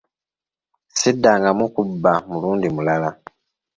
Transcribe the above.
Siddangamu kubba mulundi mulala.